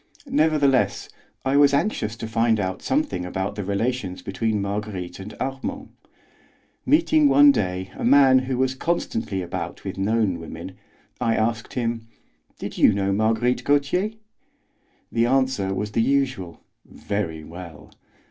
Nevertheless I was anxious to find out something about the relations between Marguerite and Armand. Meeting one day a man who was constantly about with known women, I asked him: "Did you know Marguerite Gautier?" The answer was the usual: "Very well."